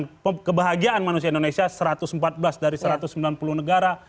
dan kebahagiaan manusia indonesia satu ratus empat belas dari satu ratus sembilan puluh negara